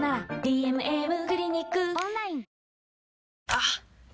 あっ！